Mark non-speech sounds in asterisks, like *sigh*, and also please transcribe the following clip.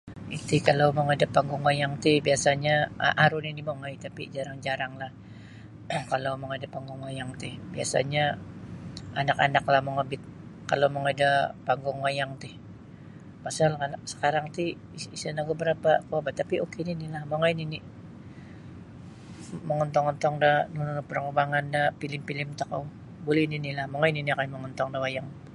Iti kalau mongoi da panggung wayang ti biasanyo um aru nini' mongoi tapi' jarang-jaranglah *coughs* kalau mongoi da panggung wayang ti biasa'nyo anak-anaklah mongobit kalau mongoi da panggung wayang ti pasal anak sakarang ti isa nogu barapa' kuo bah tapi ok nini'lah mongoi nini' mongontong-ontong da nunu-nunu parkambangan da filem-filem tokou buli ninilah mongoi nini' okoi mongontong da wayang.